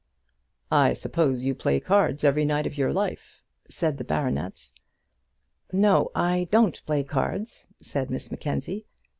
"I suppose you play cards every night of your life," said the baronet. "No; I don't play cards," said Miss Mackenzie.